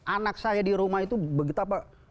anak saya di rumah itu begitu pak